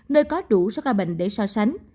nơi có đủ số ca bệnh để so sánh